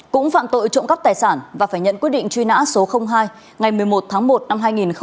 cũng phạm tội trộm cắp tài sản và phải nhận quyết định truy nã số hai ngày một mươi một tháng một năm hai nghìn một mươi